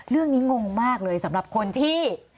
เรื่องนี้งงมากเลยสำหรับคนที่